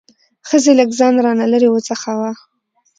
ښځې لږ ځان را نه لرې وڅښاوه.